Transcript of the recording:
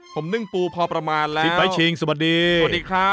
ผมนึ่งปูพอประมาณแล้วสวัสดีครับซิปไอชิง